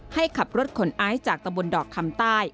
ให้ขับรถขนไอซ์จากตะบนดอกคำใต้